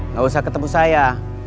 nggak usah ketemu saya